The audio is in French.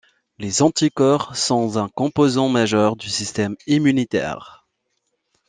Les anticorps sont un composant majeur du système immunitaire.